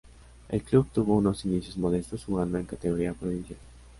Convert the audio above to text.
El club tuvo unos inicios modestos jugando en categoría provincial.